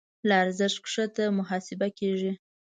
له ارزښت کښته محاسبه کېږي.